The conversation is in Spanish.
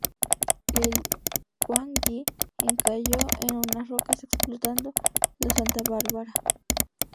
El "Kwang-yi" encalló en unas rocas, explotando la santabárbara.